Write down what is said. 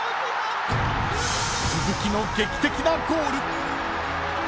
［鈴木の劇的なゴール］